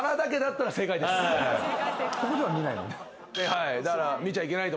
はい。